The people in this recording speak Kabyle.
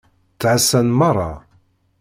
Ttɛasan meṛṛa.